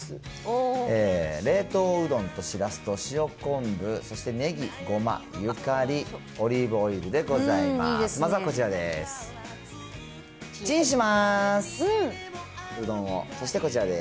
冷凍うどんとしらすと塩昆布、そしてネギ、ごま、ゆかり、オリーブオイルでございます。